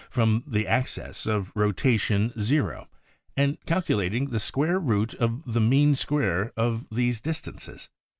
from the axis of rotation 0 and cal culating the square root of the mean square of these distances.